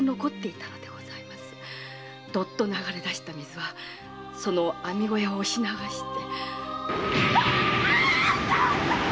ドッと流れだした水はその網小屋を押し流して。